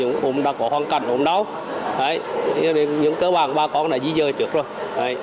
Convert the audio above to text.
cũng đã có hoàn cảnh ổn đau những cơ bản ba con đã di dời trước rồi